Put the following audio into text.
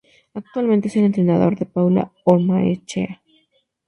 Actualmente es el entrenador de Paula Ormaechea.